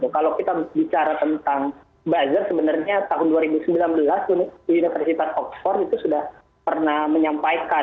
kalau kita bicara tentang buzzer sebenarnya tahun dua ribu sembilan belas universitas oxford itu sudah pernah menyampaikan